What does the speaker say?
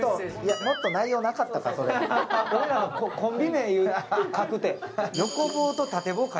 俺らのコンビ名書くって。